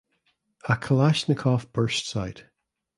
A Kalashnikov bursts out.